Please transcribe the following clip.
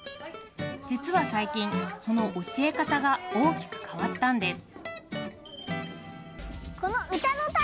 実は最近、その教え方が大きく変わったんです。